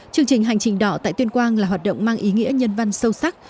chương trình hành trình đỏ tại tuyên quang là hoạt động mang ý nghĩa nhân văn sâu sắc